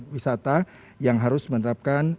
wisata yang harus menerapkan